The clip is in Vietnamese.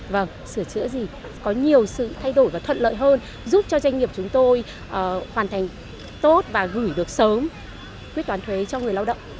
vâng sửa chữa gì có nhiều sự thay đổi và thuận lợi hơn giúp cho doanh nghiệp chúng tôi hoàn thành tốt và gửi được sớm quyết toán thuế cho người lao động